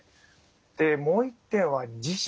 でもう一点は自署。